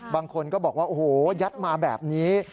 บางคนก็บอกว่าโอ้โหยัดมาแบบนี้